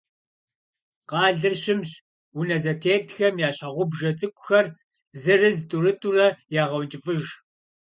Къалэр щымщ. Унэ зэтетхэм я щхьэгъубжэ цӏыкӏухэр, зырыз-тӏурытӏурэ ягъэункӏыфӏыж.